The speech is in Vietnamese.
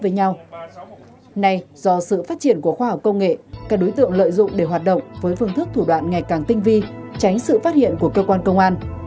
hôm nay do sự phát triển của khoa học công nghệ các đối tượng lợi dụng để hoạt động với phương thức thủ đoạn ngày càng tinh vi tránh sự phát hiện của cơ quan công an